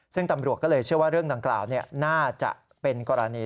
ซึ่งตำรวจก็เลยเชื่อว่าเรื่องดังกล่าวน่าจะเป็นกรณี